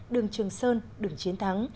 đường trường sơn đường chiến thắng